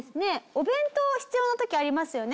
お弁当必要な時ありますよね。